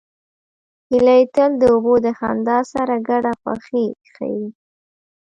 هیلۍ تل د اوبو د خندا سره ګډه خوښي ښيي